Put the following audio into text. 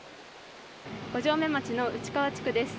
五城目町の内川地区です。